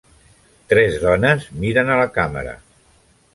Tres dones miren a la càmera.